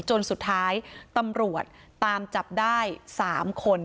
จนสุดท้ายตำรวจตามจับได้๓คน